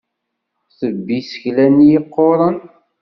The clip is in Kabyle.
Tebbi isekla-nni yeqquren.